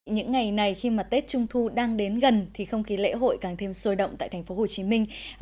những ngày này khi mà tết trung thu đang đến gần thì không khí lễ hội càng thêm sôi động tại thành phố hồ chí minh